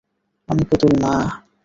আমি পুতুল না!